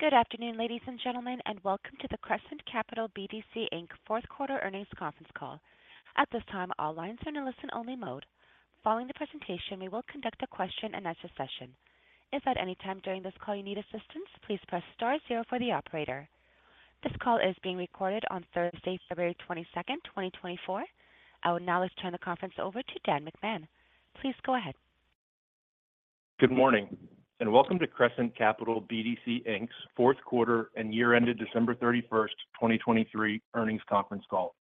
Good afternoon, ladies and gentlemen, and welcome to the Crescent Capital BDC, Inc. fourth quarter earnings conference call. At this time, all lines are in a listen-only mode. Following the presentation, we will conduct a question-and-answer session. If at any time during this call you need assistance, please press star zero for the operator. This call is being recorded on Thursday, February 22nd, 2024. I will now turn the conference over to Dan McMahon. Please go ahead. Good morning and welcome to Crescent Capital BDC, Inc.'s fourth quarter and year-ended December 31st, 2023 earnings conference call.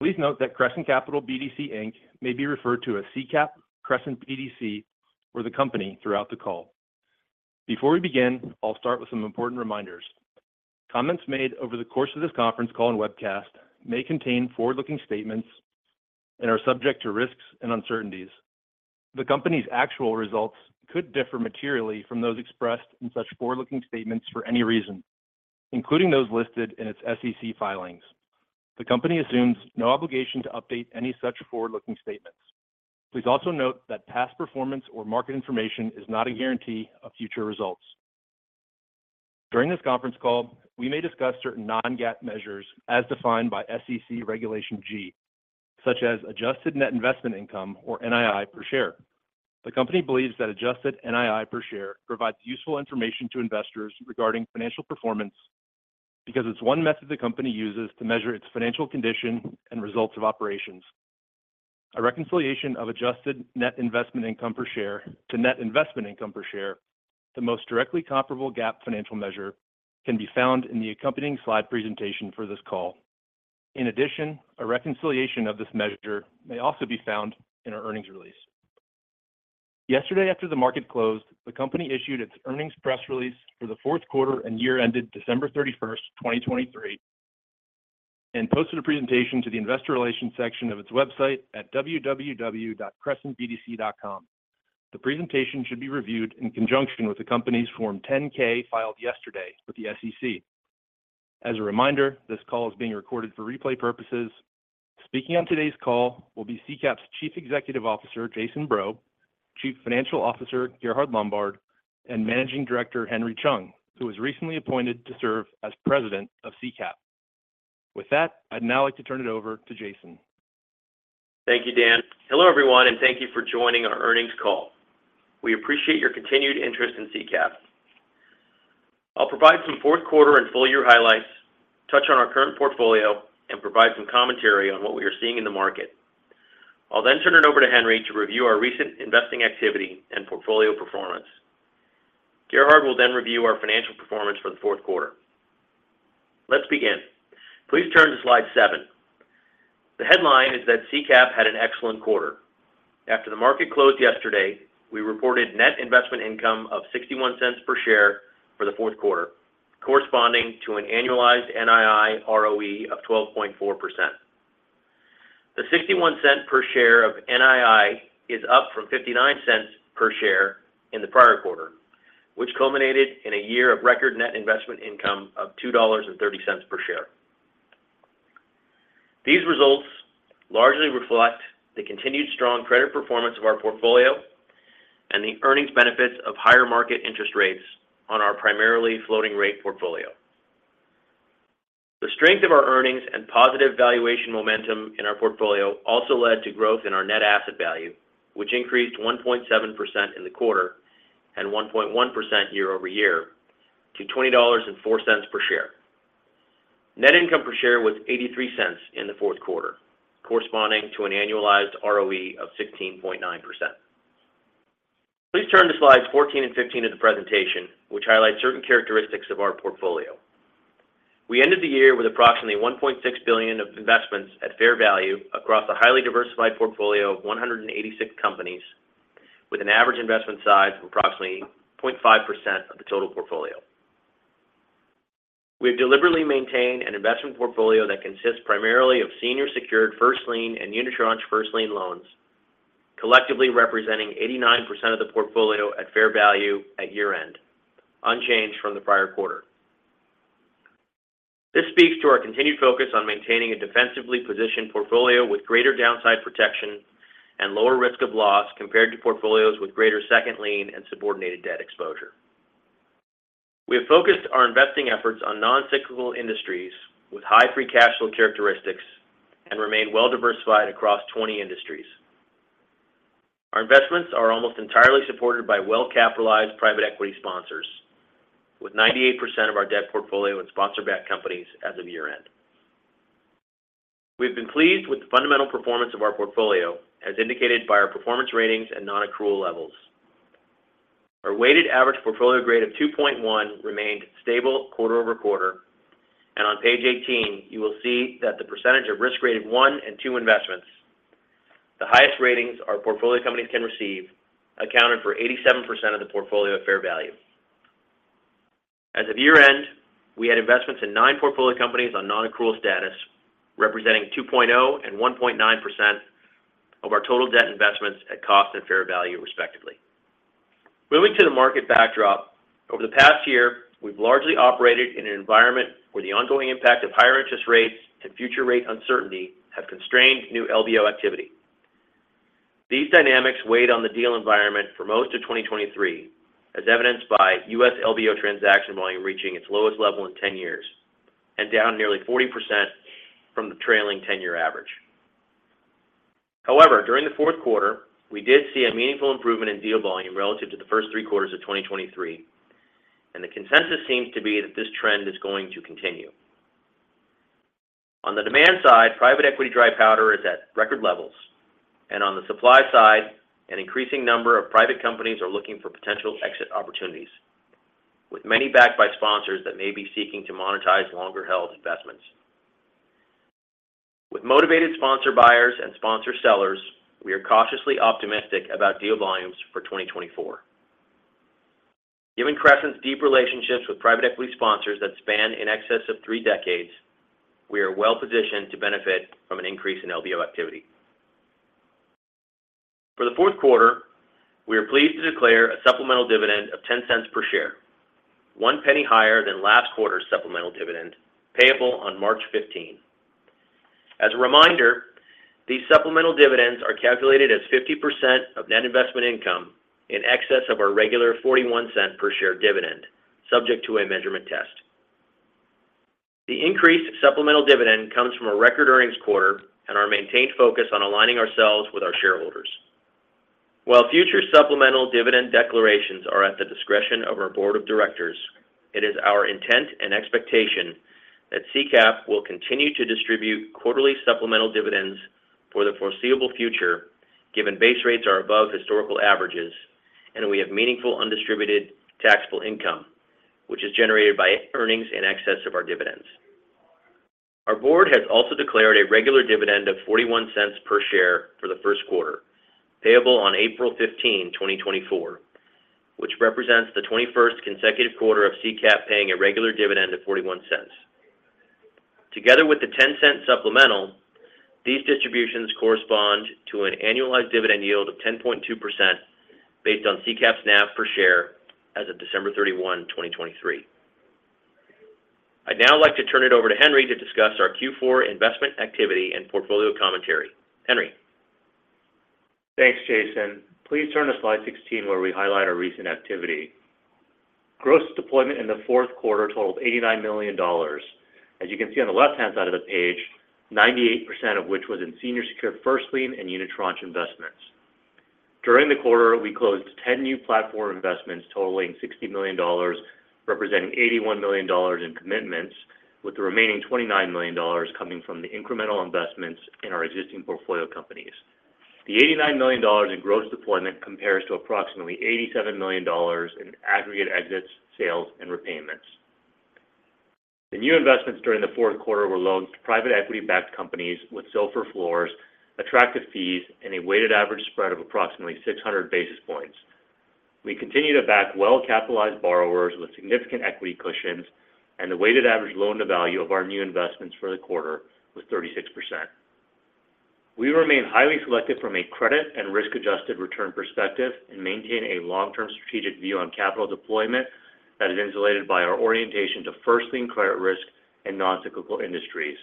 Please note that Crescent Capital BDC, Inc. may be referred to as CCAP, Crescent BDC, or the company throughout the call. Before we begin, I'll start with some important reminders. Comments made over the course of this conference call and webcast may contain forward-looking statements and are subject to risks and uncertainties. The company's actual results could differ materially from those expressed in such forward-looking statements for any reason, including those listed in its SEC filings. The company assumes no obligation to update any such forward-looking statements. Please also note that past performance or market information is not a guarantee of future results. During this conference call, we may discuss certain non-GAAP measures as defined by SEC Regulation G, such as adjusted net investment income, or NII per share. The company believes that Adjusted NII per share provides useful information to investors regarding financial performance because it's one method the company uses to measure its financial condition and results of operations. A reconciliation of Adjusted Net Investment Income per share to Net Investment Income per share, the most directly comparable GAAP financial measure, can be found in the accompanying slide presentation for this call. In addition, a reconciliation of this measure may also be found in our earnings release. Yesterday, after the market closed, the company issued its earnings press release for the fourth quarter and year-ended December 31st, 2023, and posted a presentation to the investor relations section of its website at www.crescentbdc.com. The presentation should be reviewed in conjunction with the company's Form 10-K filed yesterday with the SEC. As a reminder, this call is being recorded for replay purposes. Speaking on today's call will be CCAP's Chief Executive Officer, Jason Breaux, Chief Financial Officer, Gerhard Lombard, and Managing Director, Henry Chung, who was recently appointed to serve as President of CCAP. With that, I'd now like to turn it over to Jason. Thank you, Dan. Hello everyone, and thank you for joining our earnings call. We appreciate your continued interest in CCAP. I'll provide some fourth quarter and full-year highlights, touch on our current portfolio, and provide some commentary on what we are seeing in the market. I'll then turn it over to Henry to review our recent investing activity and portfolio performance. Gerhard will then review our financial performance for the fourth quarter. Let's begin. Please turn to slide seven. The headline is that CCAP had an excellent quarter. After the market closed yesterday, we reported net investment income of $0.61 per share for the fourth quarter, corresponding to an annualized NII ROE of 12.4%. The $0.61 per share of NII is up from $0.59 per share in the prior quarter, which culminated in a year of record net investment income of $2.30 per share. These results largely reflect the continued strong credit performance of our portfolio and the earnings benefits of higher market interest rates on our primarily floating-rate portfolio. The strength of our earnings and positive valuation momentum in our portfolio also led to growth in our net asset value, which increased 1.7% in the quarter and 1.1% year-over-year to $20.04 per share. Net income per share was $0.83 in the fourth quarter, corresponding to an annualized ROE of 16.9%. Please turn to slides 14 and 15 of the presentation, which highlight certain characteristics of our portfolio. We ended the year with approximately $1.6 billion of investments at fair value across a highly diversified portfolio of 186 companies, with an average investment size of approximately 0.5% of the total portfolio. We have deliberately maintained an investment portfolio that consists primarily of senior secured first lien and unitranche first lien loans, collectively representing 89% of the portfolio at fair value at year-end, unchanged from the prior quarter. This speaks to our continued focus on maintaining a defensively positioned portfolio with greater downside protection and lower risk of loss compared to portfolios with greater second lien and subordinated debt exposure. We have focused our investing efforts on non-cyclical industries with high free cash flow characteristics and remain well-diversified across 20 industries. Our investments are almost entirely supported by well-capitalized private equity sponsors, with 98% of our debt portfolio in sponsor-backed companies as of year-end. We've been pleased with the fundamental performance of our portfolio, as indicated by our performance ratings and non-accrual levels. Our weighted average portfolio grade of 2.1 remained stable quarter-over-quarter, and on page 18, you will see that the percentage of risk-rated one and two investments, the highest ratings our portfolio companies can receive, accounted for 87% of the portfolio at fair value. As of year-end, we had investments in nine portfolio companies on non-accrual status, representing 2.0 and 1.9% of our total debt investments at cost and fair value, respectively. Moving to the market backdrop, over the past year, we've largely operated in an environment where the ongoing impact of higher interest rates and future rate uncertainty have constrained new LBO activity. These dynamics weighed on the deal environment for most of 2023, as evidenced by U.S. LBO transaction volume reaching its lowest level in 10 years and down nearly 40% from the trailing 10-year average. However, during the fourth quarter, we did see a meaningful improvement in deal volume relative to the first three quarters of 2023, and the consensus seems to be that this trend is going to continue. On the demand side, private equity dry powder is at record levels, and on the supply side, an increasing number of private companies are looking for potential exit opportunities, with many backed by sponsors that may be seeking to monetize longer-held investments. With motivated sponsor buyers and sponsor sellers, we are cautiously optimistic about deal volumes for 2024. Given Crescent's deep relationships with private equity sponsors that span in excess of three decades, we are well-positioned to benefit from an increase in LBO activity. For the fourth quarter, we are pleased to declare a supplemental dividend of $0.10 per share, $0.01 higher than last quarter's supplemental dividend payable on March 15. As a reminder, these supplemental dividends are calculated as 50% of net investment income in excess of our regular $0.41 per share dividend, subject to a measurement test. The increased supplemental dividend comes from a record earnings quarter and our maintained focus on aligning ourselves with our shareholders. While future supplemental dividend declarations are at the discretion of our board of directors, it is our intent and expectation that CCAP will continue to distribute quarterly supplemental dividends for the foreseeable future, given base rates are above historical averages and we have meaningful undistributed taxable income, which is generated by earnings in excess of our dividends. Our board has also declared a regular dividend of $0.41 per share for the first quarter, payable on April 15, 2024, which represents the 21st consecutive quarter of CCAP paying a regular dividend of $0.41. Together with the $0.10 supplemental, these distributions correspond to an annualized dividend yield of 10.2% based on CCAP's NAV per share as of December 31, 2023. I'd now like to turn it over to Henry to discuss our Q4 investment activity and portfolio commentary. Henry. Thanks, Jason. Please turn to slide 16 where we highlight our recent activity. Gross deployment in the fourth quarter totaled $89 million. As you can see on the left-hand side of the page, 98% of which was in senior secured First-Lien and unitranche investments. During the quarter, we closed 10 new platform investments totaling $60 million, representing $81 million in commitments, with the remaining $29 million coming from the incremental investments in our existing portfolio companies. The $89 million in gross deployment compares to approximately $87 million in aggregate exits, sales, and repayments. The new investments during the fourth quarter were loans to private equity-backed companies with SOFR floors, attractive fees, and a weighted average spread of approximately 600 basis points. We continue to back well-capitalized borrowers with significant equity cushions, and the weighted average loan-to-value of our new investments for the quarter was 36%. We remain highly selective from a credit and risk-adjusted return perspective and maintain a long-term strategic view on capital deployment that is insulated by our orientation to First-Lien credit risk and non-cyclical industries.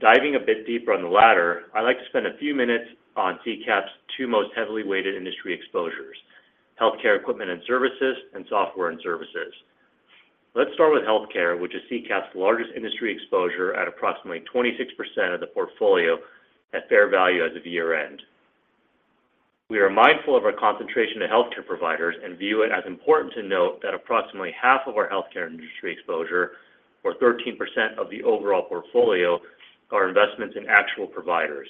Diving a bit deeper on the latter, I'd like to spend a few minutes on CCAP's two most heavily weighted industry exposures: healthcare equipment and services and software and services. Let's start with healthcare, which is CCAP's largest industry exposure at approximately 26% of the portfolio at fair value as of year-end. We are mindful of our concentration to healthcare providers and view it as important to note that approximately half of our healthcare industry exposure, or 13% of the overall portfolio, are investments in actual providers.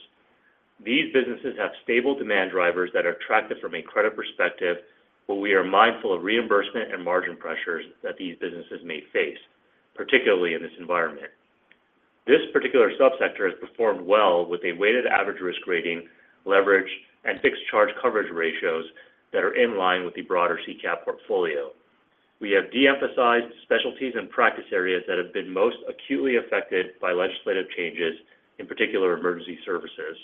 These businesses have stable demand drivers that are attractive from a credit perspective, but we are mindful of reimbursement and margin pressures that these businesses may face, particularly in this environment. This particular subsector has performed well with a weighted average risk rating, leverage, and fixed charge coverage ratios that are in line with the broader CCAP portfolio. We have de-emphasized specialties and practice areas that have been most acutely affected by legislative changes, in particular emergency services.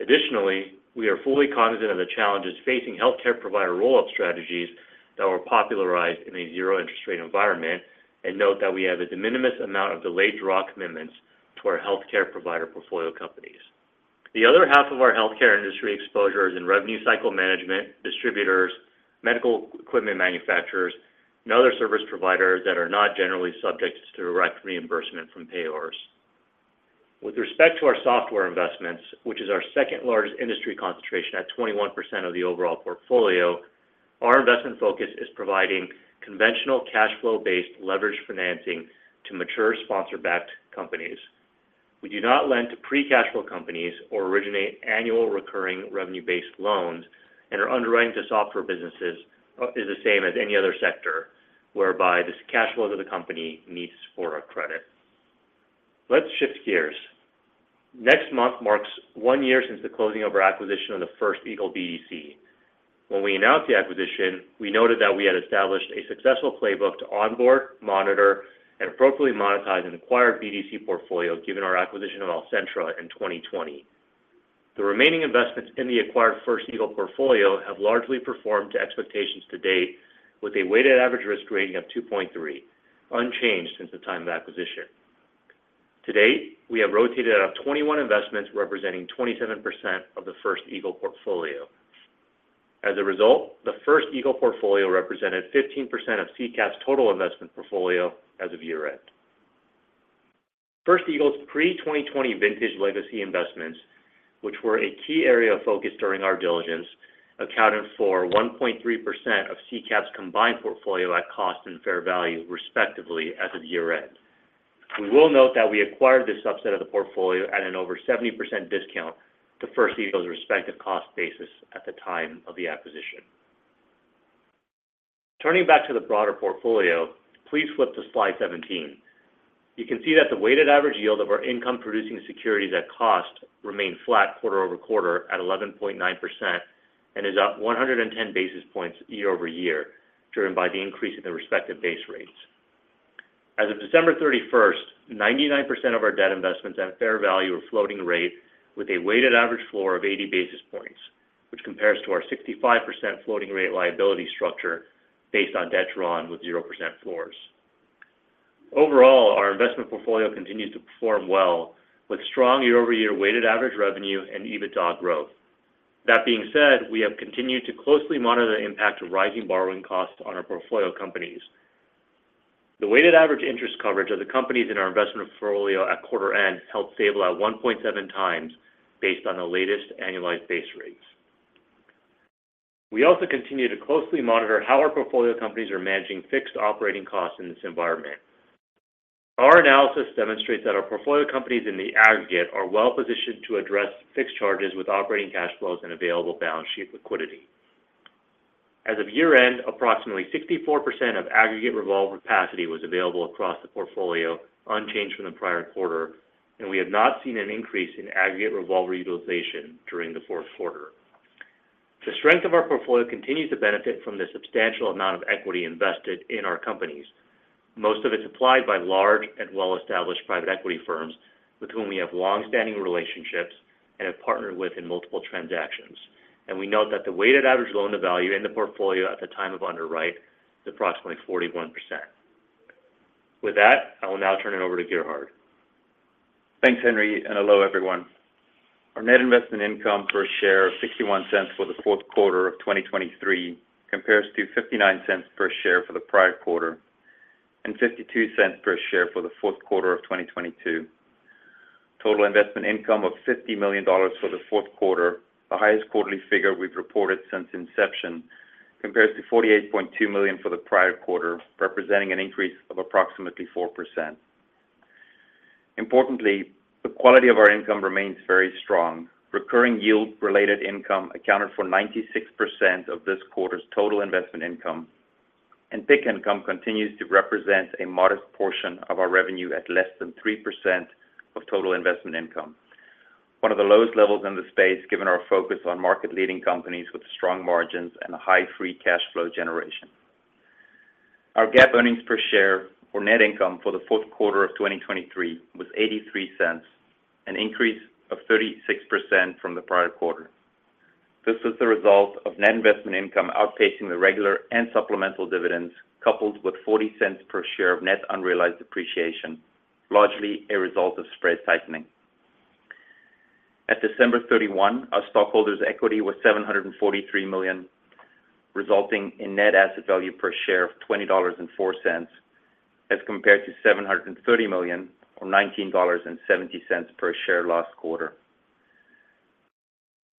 Additionally, we are fully cognizant of the challenges facing healthcare provider roll-up strategies that were popularized in a zero-interest rate environment and note that we have a de minimis amount of delayed draw commitments to our healthcare provider portfolio companies. The other half of our healthcare industry exposure is in revenue cycle management, distributors, medical equipment manufacturers, and other service providers that are not generally subject to direct reimbursement from payors. With respect to our software investments, which is our second-largest industry concentration at 21% of the overall portfolio, our investment focus is providing conventional cash flow-based leveraged financing to mature sponsor-backed companies. We do not lend to pre-cash flow companies or originate annual recurring revenue-based loans, and our underwriting to software businesses is the same as any other sector, whereby the cash flow to the company meets for a credit. Let's shift gears. Next month marks one year since the closing of our acquisition of the First Eagle BDC. When we announced the acquisition, we noted that we had established a successful playbook to onboard, monitor, and appropriately monetize an acquired BDC portfolio given our acquisition of Alcentra in 2020. The remaining investments in the acquired First Eagle portfolio have largely performed to expectations to date, with a weighted average risk rating of 2.3, unchanged since the time of acquisition. To date, we have rotated out of 21 investments representing 27% of the First Eagle portfolio. As a result, the First Eagle portfolio represented 15% of CCAP's total investment portfolio as of year-end. First Eagle's pre-2020 vintage legacy investments, which were a key area of focus during our diligence, accounted for 1.3% of CCAP's combined portfolio at cost and fair value, respectively, as of year-end. We will note that we acquired this subset of the portfolio at an over 70% discount to First Eagle's respective cost basis at the time of the acquisition. Turning back to the broader portfolio, please flip to slide 17. You can see that the weighted average yield of our income-producing securities at cost remained flat quarter-over-quarter at 11.9% and is up 110 basis points year-over-year, driven by the increase in the respective base rates. As of December 31st, 99% of our debt investments at fair value were floating rate with a weighted average floor of 80 basis points, which compares to our 65% floating rate liability structure based on debt drawn with 0% floors. Overall, our investment portfolio continues to perform well, with strong year-over-year weighted average revenue and EBITDA growth. That being said, we have continued to closely monitor the impact of rising borrowing costs on our portfolio companies. The weighted average interest coverage of the companies in our investment portfolio at quarter-end helped stabilize 1.7 times based on the latest annualized base rates. We also continue to closely monitor how our portfolio companies are managing fixed operating costs in this environment. Our analysis demonstrates that our portfolio companies in the aggregate are well-positioned to address fixed charges with operating cash flows and available balance sheet liquidity. As of year-end, approximately 64% of aggregate revolver capacity was available across the portfolio, unchanged from the prior quarter, and we have not seen an increase in aggregate revolver utilization during the fourth quarter. The strength of our portfolio continues to benefit from the substantial amount of equity invested in our companies. Most of it's applied by large and well-established private equity firms with whom we have longstanding relationships and have partnered with in multiple transactions, and we note that the weighted average loan-to-value in the portfolio at the time of underwriting is approximately 41%. With that, I will now turn it over to Gerhard. Thanks, Henry, and hello, everyone. Our net investment income per share of $0.61 for the fourth quarter of 2023 compares to $0.59 per share for the prior quarter and $0.52 per share for the fourth quarter of 2022. Total investment income of $50 million for the fourth quarter, the highest quarterly figure we've reported since inception, compares to $48.2 million for the prior quarter, representing an increase of approximately 4%. Importantly, the quality of our income remains very strong. Recurring yield-related income accounted for 96% of this quarter's total investment income, and PIK income continues to represent a modest portion of our revenue at less than 3% of total investment income, one of the lowest levels in the space given our focus on market-leading companies with strong margins and high free cash flow generation. Our GAAP earnings per share, or net income, for the fourth quarter of 2023 was $0.83, an increase of 36% from the prior quarter. This was the result of net investment income outpacing the regular and supplemental dividends coupled with $0.40 per share of net unrealized depreciation, largely a result of spread tightening. At December 31, our stockholders' equity was $743 million, resulting in net asset value per share of $20.04 as compared to $730 million, or $19.70 per share last quarter.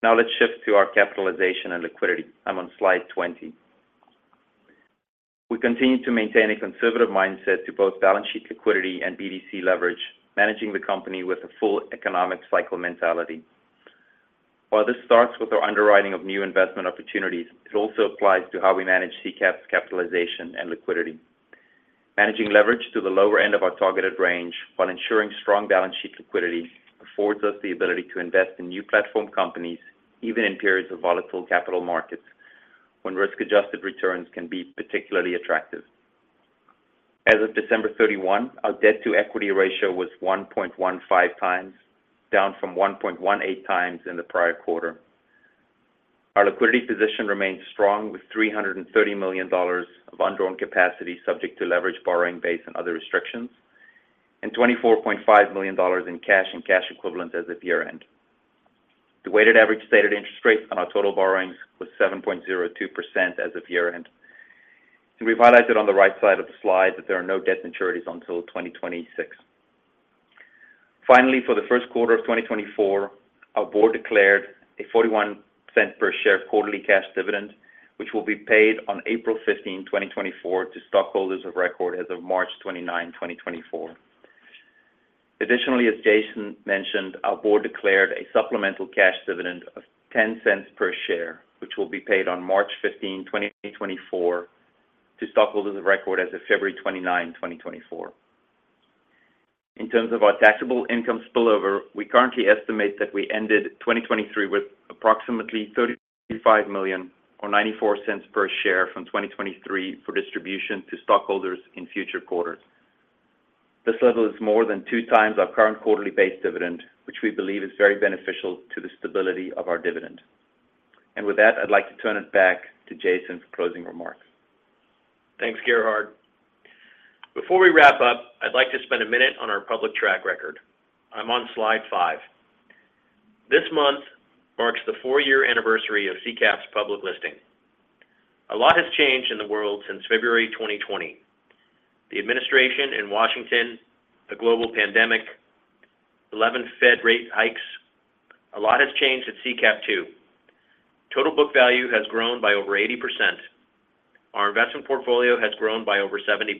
Now let's shift to our capitalization and liquidity. I'm on slide 20. We continue to maintain a conservative mindset to both balance sheet liquidity and BDC leverage, managing the company with a full economic cycle mentality. While this starts with our underwriting of new investment opportunities, it also applies to how we manage CCAP's capitalization and liquidity. Managing leverage to the lower end of our targeted range while ensuring strong balance sheet liquidity affords us the ability to invest in new platform companies, even in periods of volatile capital markets when risk-adjusted returns can be particularly attractive. As of December 31, our debt-to-equity ratio was 1.15 times, down from 1.18 times in the prior quarter. Our liquidity position remains strong with $330 million of undrawn capacity subject to leverage borrowing base and other restrictions, and $24.5 million in cash and cash equivalents as of year-end. The weighted average stated interest rate on our total borrowings was 7.02% as of year-end, and we've highlighted on the right side of the slide that there are no debt maturities until 2026. Finally, for the first quarter of 2024, our board declared a $0.41 per share quarterly cash dividend, which will be paid on April 15, 2024, to stockholders of record as of March 29, 2024. Additionally, as Jason mentioned, our board declared a supplemental cash dividend of $0.10 per share, which will be paid on March 15, 2024, to stockholders of record as of February 29, 2024. In terms of our taxable income spillover, we currently estimate that we ended 2023 with approximately $35 million, or $0.94 per share, from 2023 for distribution to stockholders in future quarters. This level is more than 2 times our current quarterly-based dividend, which we believe is very beneficial to the stability of our dividend. And with that, I'd like to turn it back to Jason for closing remarks. Thanks, Gerhard. Before we wrap up, I'd like to spend a minute on our public track record. I'm on slide five. This month marks the four-year anniversary of CCAP's public listing. A lot has changed in the world since February 2020: the administration in Washington, the global pandemic, 11 Fed rate hikes. A lot has changed at CCAP too. Total book value has grown by over 80%. Our investment portfolio has grown by over 70%.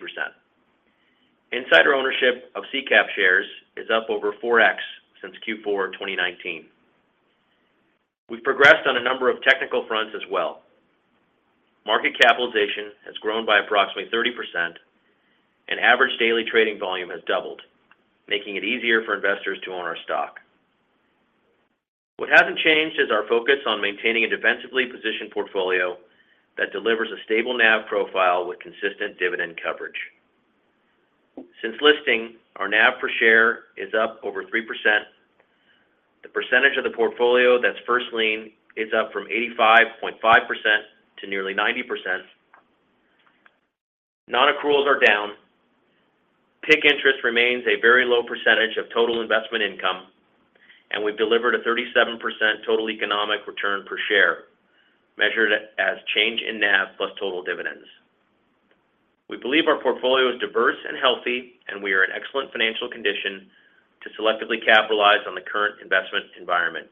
Insider ownership of CCAP shares is up over 4x since Q4 2019. We've progressed on a number of technical fronts as well. Market capitalization has grown by approximately 30%, and average daily trading volume has doubled, making it easier for investors to own our stock. What hasn't changed is our focus on maintaining a defensively positioned portfolio that delivers a stable NAV profile with consistent dividend coverage. Since listing, our NAV per share is up over 3%. The percentage of the portfolio that's First-Lien is up from 85.5%-nearly 90%. non-accruals are down. PIK interest remains a very low percentage of total investment income, and we've delivered a 37% total economic return per share, measured as change in NAV plus total dividends. We believe our portfolio is diverse and healthy, and we are in excellent financial condition to selectively capitalize on the current investment environment.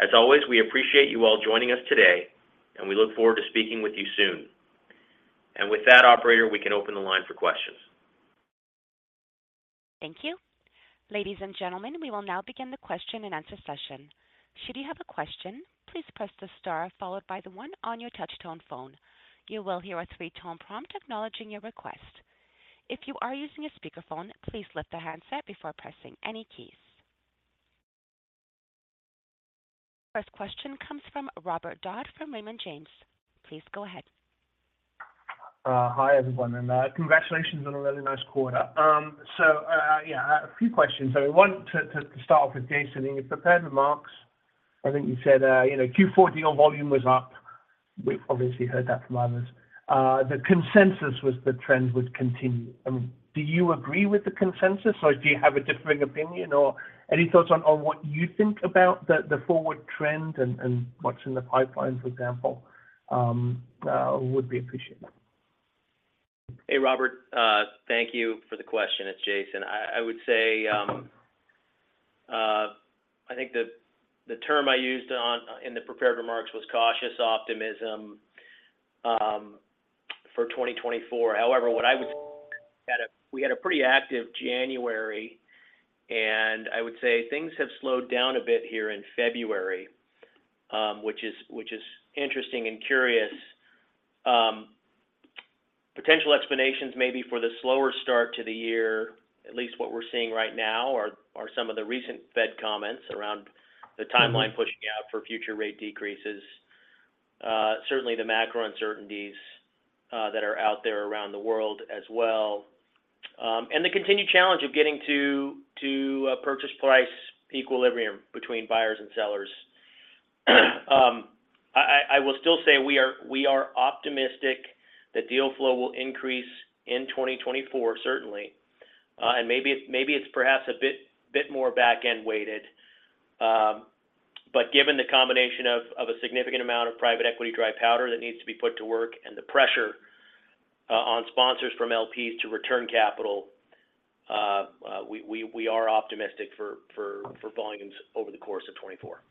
As always, we appreciate you all joining us today, and we look forward to speaking with you soon. And with that, operator, we can open the line for questions. Thank you. Ladies and gentlemen, we will now begin the question and answer session. Should you have a question, please press the star followed by the one on your touch-tone phone. You will hear a three-tone prompt acknowledging your request. If you are using a speakerphone, please lift the handset before pressing any keys. First question comes from Robert Dodd from Raymond James. Please go ahead. Hi, everyone. Congratulations on a really nice quarter. So, yeah, a few questions. I mean, one, to start off with Jason, in your prepared remarks, I think you said Q4 deal volume was up. We've obviously heard that from others. The consensus was the trend would continue. I mean, do you agree with the consensus, or do you have a differing opinion, or any thoughts on what you think about the forward trend and what's in the pipeline, for example, would be appreciated? Hey, Robert. Thank you for the question. It's Jason. I would say I think the term I used in the prepared remarks was cautious optimism for 2024. However, what I would say is we had a pretty active January, and I would say things have slowed down a bit here in February, which is interesting and curious. Potential explanations maybe for the slower start to the year, at least what we're seeing right now, are some of the recent Fed comments around the timeline pushing out for future rate decreases, certainly the macro uncertainties that are out there around the world as well, and the continued challenge of getting to purchase price equilibrium between buyers and sellers. I will still say we are optimistic the deal flow will increase in 2024, certainly, and maybe it's perhaps a bit more back-end weighted. But given the combination of a significant amount of private equity dry powder that needs to be put to work and the pressure on sponsors from LPs to return capital, we are optimistic for volumes over the course of 2024.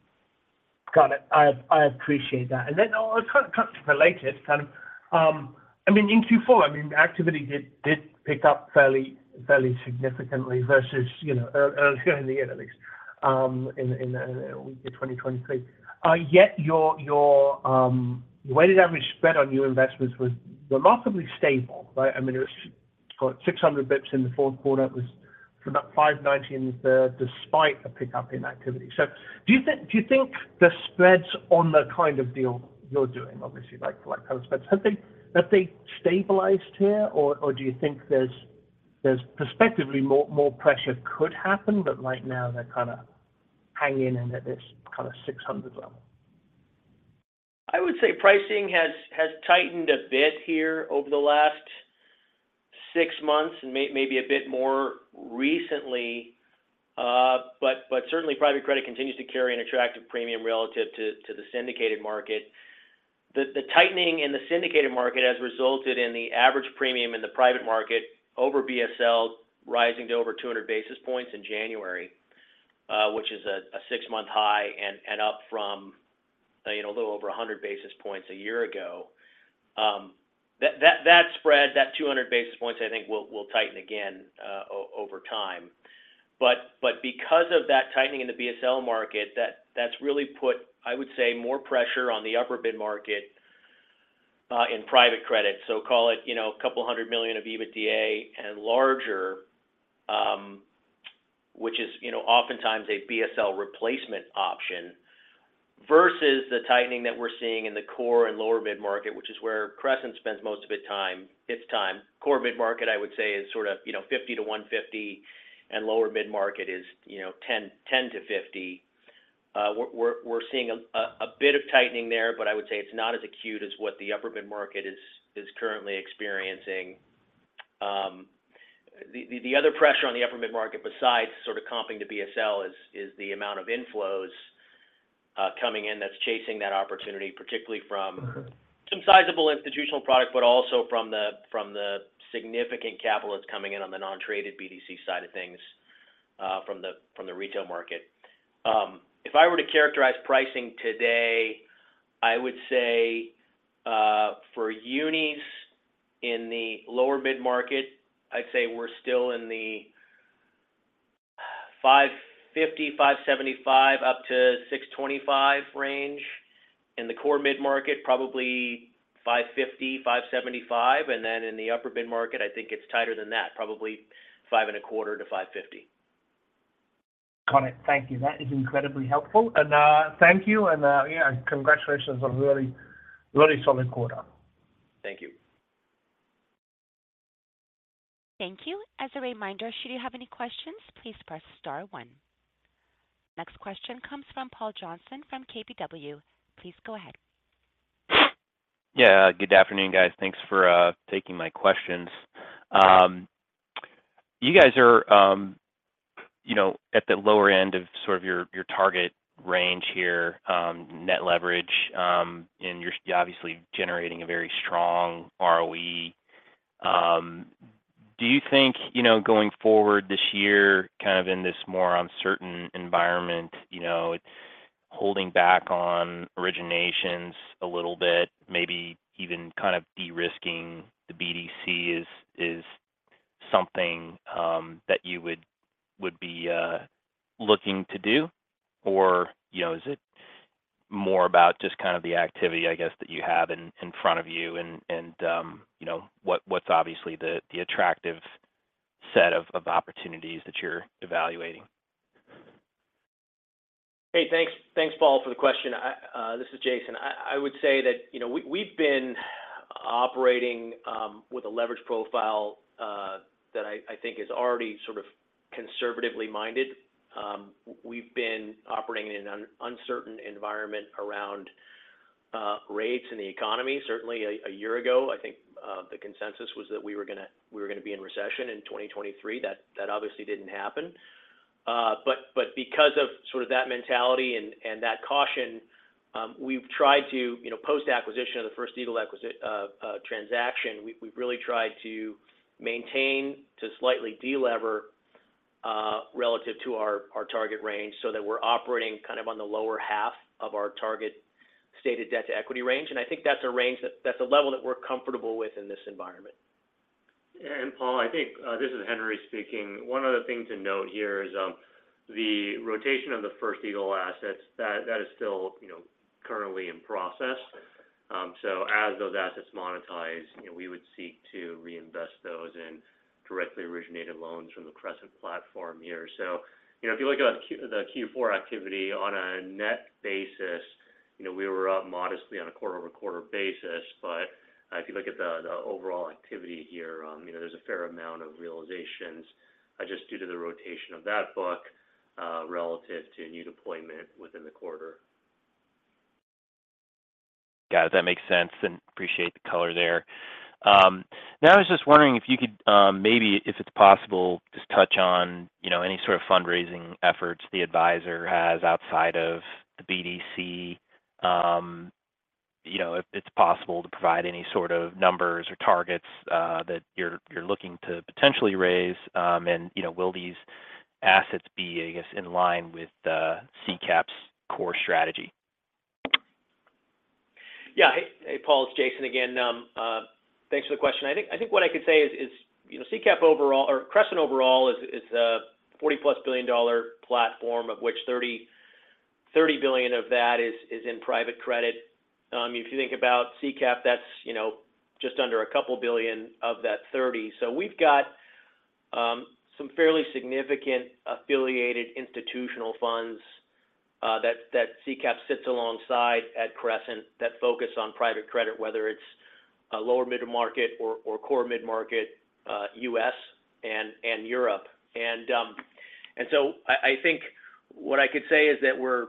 Got it. I appreciate that. And then kind of related, kind of I mean, in Q4, I mean, activity did pick up fairly significantly versus earlier in the year, at least, in the wake of 2023. Yet your weighted average spread on new investments was remarkably stable, right? I mean, it was 600 bps in the fourth quarter. It was about 590 in the third, despite a pickup in activity. So do you think the spreads on the kind of deal you're doing, obviously, for that kind of spreads, have they stabilized here, or do you think there's prospectively more pressure could happen, but right now they're kind of hanging in at this kind of 600 level? I would say pricing has tightened a bit here over the last six months and maybe a bit more recently, but certainly, private credit continues to carry an attractive premium relative to the syndicated market. The tightening in the syndicated market has resulted in the average premium in the private market over BSL rising to over 200 basis points in January, which is a six-month high and up from a little over 100 basis points a year ago. That spread, that 200 basis points, I think will tighten again over time. But because of that tightening in the BSL market, that's really put, I would say, more pressure on the upper middle market in private credit, so call it a couple hundred million of EBITDA and larger, which is oftentimes a BSL replacement option, versus the tightening that we're seeing in the core and lower middle market, which is where Crescent spends most of its time. Core mid-market, I would say, is sort of 50-150, and lower mid-market is 10-50. We're seeing a bit of tightening there, but I would say it's not as acute as what the upper middle market is currently experiencing. The other pressure on the upper mid-market besides sort of comping to BSL is the amount of inflows coming in that's chasing that opportunity, particularly from some sizable institutional product, but also from the significant capital that's coming in on the non-traded BDC side of things from the retail market. If I were to characterize pricing today, I would say for unis in the lower mid-market, I'd say we're still in the 550-575 up to 625 range. In the core mid-market, probably 550-575, and then in the upper mid-market, I think it's tighter than that, probably 5.25-550. Got it. Thank you. That is incredibly helpful. And thank you, and yeah, congratulations on a really solid quarter. Thank you. Thank you. As a reminder, should you have any questions, please press star one. Next question comes from Paul Johnson from KBW. Please go ahead. Yeah. Good afternoon, guys. Thanks for taking my questions. You guys are at the lower end of sort of your target range here, net leverage, and you're obviously generating a very strong ROE. Do you think going forward this year, kind of in this more uncertain environment, holding back on originations a little bit, maybe even kind of de-risking the BDC is something that you would be looking to do, or is it more about just kind of the activity, I guess, that you have in front of you and what's obviously the attractive set of opportunities that you're evaluating? Hey, thanks, Paul, for the question. This is Jason. I would say that we've been operating with a leverage profile that I think is already sort of conservatively minded. We've been operating in an uncertain environment around rates in the economy. Certainly, a year ago, I think the consensus was that we were going to be in recession in 2023. That obviously didn't happen. But because of sort of that mentality and that caution, we've tried to post-acquisition of the First Eagle transaction, we've really tried to maintain, to slightly de-lever relative to our target range so that we're operating kind of on the lower half of our target stated debt to equity range. And I think that's a range that that's a level that we're comfortable with in this environment. Paul, I think this is Henry speaking. One other thing to note here is the rotation of the First Eagle assets, that is still currently in process. So as those assets monetize, we would seek to reinvest those in directly originated loans from the Crescent platform here. So if you look at the Q4 activity on a net basis, we were up modestly on a quarter-over-quarter basis. But if you look at the overall activity here, there's a fair amount of realizations just due to the rotation of that book relative to new deployment within the quarter. Got it. That makes sense. And appreciate the color there. Now, I was just wondering if you could maybe, if it's possible, just touch on any sort of fundraising efforts the advisor has outside of the BDC. If it's possible to provide any sort of numbers or targets that you're looking to potentially raise, and will these assets be, I guess, in line with CCAP's core strategy? Yeah. Hey, Paul. It's Jason again. Thanks for the question. I think what I could say is CCAP overall or Crescent overall is a $40+ billion platform, of which $30 billion of that is in private credit. I mean, if you think about CCAP, that's just under a couple billion of that $30 billion. So we've got some fairly significant affiliated institutional funds that CCAP sits alongside at Crescent that focus on private credit, whether it's lower mid-market or core mid-market U.S. and Europe. And so I think what I could say is that we're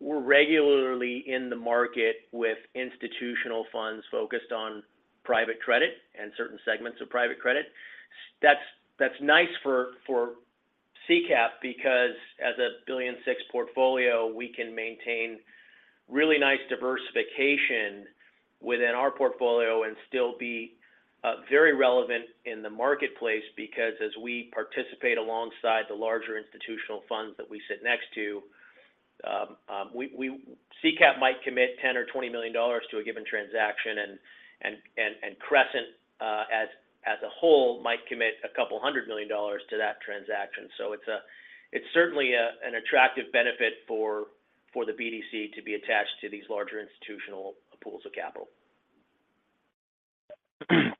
regularly in the market with institutional funds focused on private credit and certain segments of private credit. That's nice for CCAP because, as a $1.6 billion portfolio, we can maintain really nice diversification within our portfolio and still be very relevant in the marketplace because, as we participate alongside the larger institutional funds that we sit next to, CCAP might commit $10 million or $20 million to a given transaction, and Crescent as a whole might commit $200 million to that transaction. So it's certainly an attractive benefit for the BDC to be attached to these larger institutional pools of capital.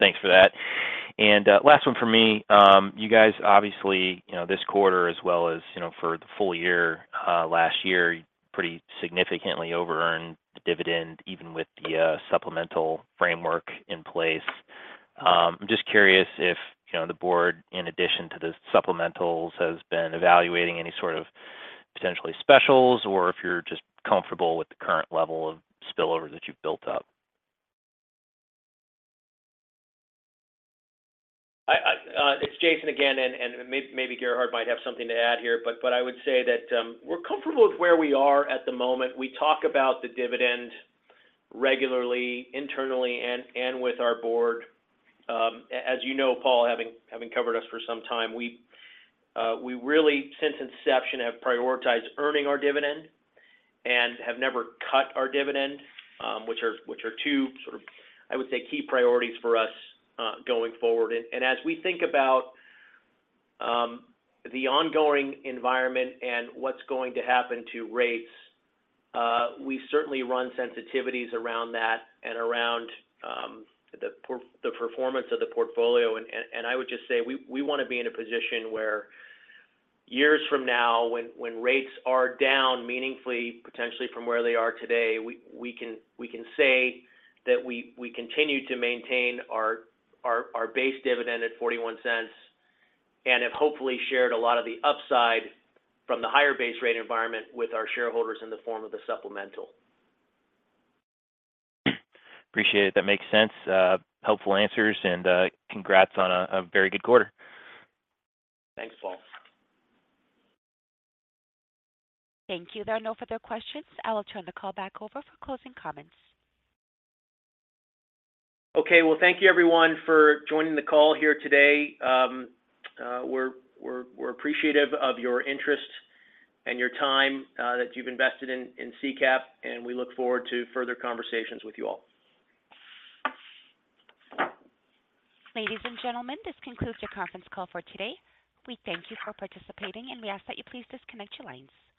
Thanks for that. Last one from me. You guys, obviously, this quarter as well as for the full year last year, pretty significantly over-earned dividend even with the supplemental framework in place. I'm just curious if the board, in addition to the supplementals, has been evaluating any sort of potentially specials or if you're just comfortable with the current level of spillover that you've built up? It's Jason again, and maybe Gerhard might have something to add here, but I would say that we're comfortable with where we are at the moment. We talk about the dividend regularly, internally, and with our board. As you know, Paul, having covered us for some time, we really, since inception, have prioritized earning our dividend and have never cut our dividend, which are two sort of, I would say, key priorities for us going forward. And as we think about the ongoing environment and what's going to happen to rates, we certainly run sensitivities around that and around the performance of the portfolio. I would just say we want to be in a position where, years from now, when rates are down meaningfully, potentially from where they are today, we can say that we continue to maintain our base dividend at $0.41 and have hopefully shared a lot of the upside from the higher base rate environment with our shareholders in the form of the supplemental. Appreciate it. That makes sense. Helpful answers, and congrats on a very good quarter. Thanks, Paul. Thank you. There are no further questions. I will turn the call back over for closing comments. Okay. Well, thank you, everyone, for joining the call here today. We're appreciative of your interest and your time that you've invested in CCAP, and we look forward to further conversations with you all. Ladies and gentlemen, this concludes our conference call for today. We thank you for participating, and we ask that you please disconnect your lines.